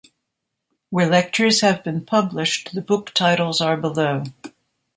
Where lectures have been published the book titles are below.